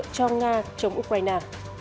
cho nga chống ukraine